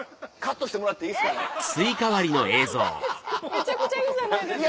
めちゃくちゃいいじゃないですか。